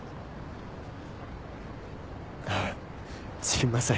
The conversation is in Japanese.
すいません。